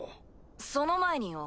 その前によ